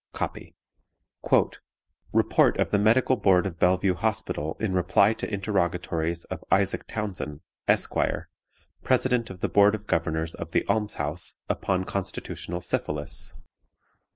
(Copy.) "Report of the Medical Board of Bellevue Hospital in reply to Interrogatories of ISAAC TOWNSEND, _Esq., President of the Board of Governors of the Alms house, upon Constitutional Syphilis.